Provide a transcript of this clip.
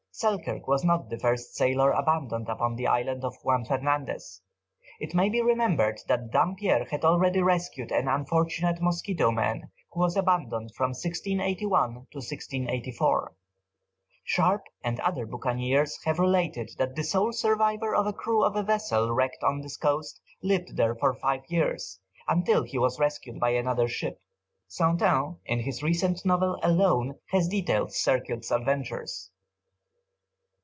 Selkirk was not the first sailor abandoned upon the island of Juan Fernandez. It may be remembered that Dampier had already rescued an unfortunate Mosquito man, who was abandoned from 1681 to 1684. Sharp and other buccaneers have related that the sole survivor of a crew of a vessel wrecked on this coast, lived there for five years, until he was rescued by another ship. Saintine, in his recent novel, "Alone," has detailed Selkirk's adventures.